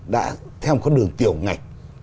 đã theo một con đường tiểu ngạch